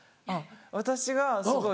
私がすごい。